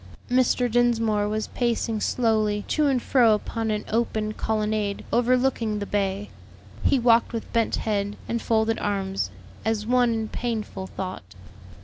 Mr. Dinsmore was pacing slowly to and fro upon an open colonnade overlooking the bay. He walked with bent head and folded arms, as one in painful thought.